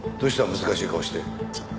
難しい顔して。